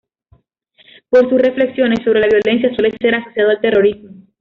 Por sus reflexiones sobre la violencia suele ser asociado al terrorismo.